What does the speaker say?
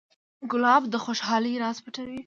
ګلاب د خوشحالۍ راز پټوي.